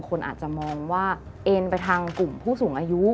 คนอาจจะมองว่าเอ็นไปทางกลุ่มผู้สูงอายุ